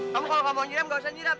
kamu kalau ngomong jiram gak usah jiram